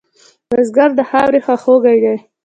بزګر د خاورې خواخوږی دی